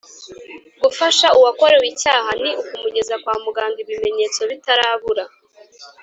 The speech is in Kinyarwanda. Gufasha uwakorewe icyaha ni ukumugeza kwa muganga ibimenyetso bitarabura